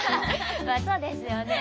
まあそうですよね。